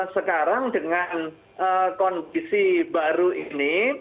sekarang dengan kondisi baru ini